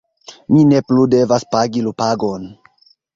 mi ne plu devas pagi lupagon.